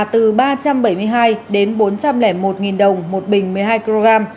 từ ba trăm bảy mươi hai đến bốn trăm linh một đồng một bình một mươi hai kg